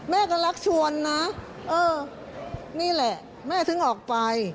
แม่ก็รักชวนนะเออนี่แหละแม่ถึงออกไป